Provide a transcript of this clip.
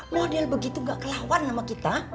model begitu gak kelawan sama kita